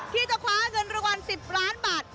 ที่จะคว้าเงินรางวัล๑๐ล้านบาท